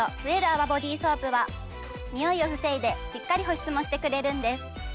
泡ボディソープはニオイを防いでしっかり保湿もしてくれるんです。